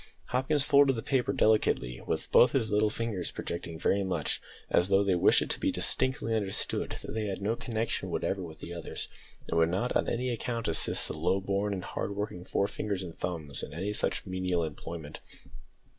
Hopkins folded the paper delicately with both his little fingers projecting very much, as though they wished it to be distinctly understood that they had no connection whatever with the others, and would not on any account assist the low born and hard working forefingers and thumbs in such menial employment.